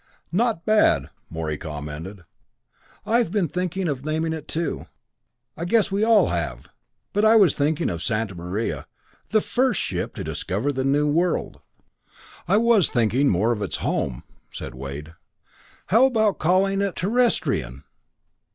"Not bad," Morey commented. "I have been thinking of naming it too I guess we all have but I was thinking of Santa Maria the first ship to discover the New World." "I was thinking more of its home," said Wade. "How about calling it Terrestrian?"